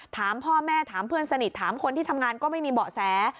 ถามพ่อแม่ถามเพื่อนสนิทถามคนที่ทำงานก็ไม่มีเบาะแส